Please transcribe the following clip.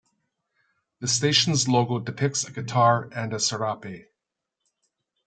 The station's logo depicts a guitar and a "sarape".